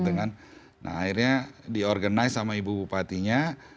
nah akhirnya diorganize sama ibu bupatinya